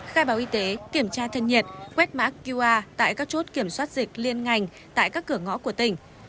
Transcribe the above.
khai báo y tế kiểm tra thân nhiệt quét mã qr tại các chốt kiểm soát dịch liên ngành tại các cửa ngõ của tỉnh